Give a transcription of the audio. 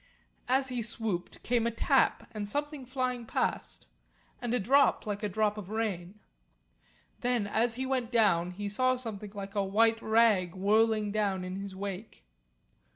As he swooped, came a tap and something flying past, and a drop like a drop of rain. Then as he went on down he saw something like a white rag whirling down in his wake.